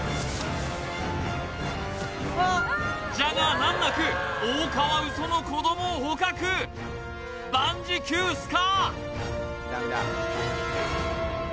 難なくオオカワウソの子どもを捕獲万事休すか！？